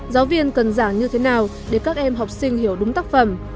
giáo viên cần giảng như thế nào để các em học sinh hiểu đúng tác phẩm